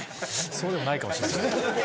そうでもないかもしれない。